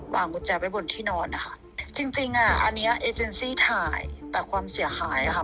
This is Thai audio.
วางกุญแจไปบนที่นอนนะคะจริงจริงอะอันนี้ถ่ายแต่ความเสี่ยหายอะค่ะ